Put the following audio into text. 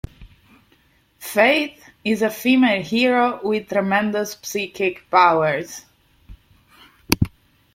Faith is a female hero with tremendous psychic powers.